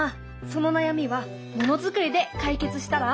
その悩みはものづくりで解決したら？